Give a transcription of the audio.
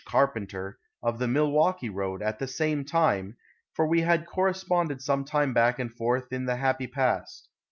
Carpenter, of the Milwaukee road, at the same time, for we had corresponded some back and forth in the happy past.